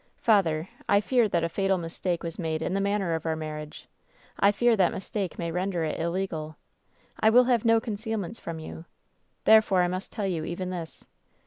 " 'Father, I fear that a fatal mistake was made in the manner of our marriage. I fear that mistake may ren der it illegal. I will have no concealments from you. Therefore, I must tell you even this.